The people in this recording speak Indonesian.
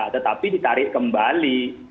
tetapi ditarik kembali